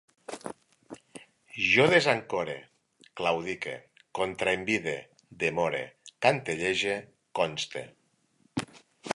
Jo desancore, claudique, contraenvide, demore, cantellege, conste